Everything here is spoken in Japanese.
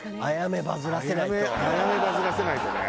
あやめバズらせないとね。